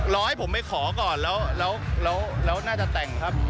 รอให้ผมไปขอก่อนแล้วน่าจะแต่งครับ